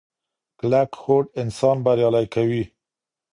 کلکه هوډ انسان بریالی کوي.